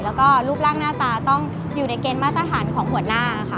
แล้วก็รูปร่างหน้าตาต้องอยู่ในเกณฑ์มาตรฐานของหัวหน้าค่ะ